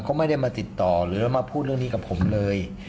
เขาไม่ได้มาติดต่อหรือมาพูดเรื่องนี้กับผมเลย